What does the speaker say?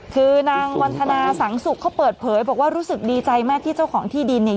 คือนางวันธนาสังสุกเขาเปิดเผยบอกว่ารู้สึกดีใจมากที่เจ้าของที่ดินเนี่ย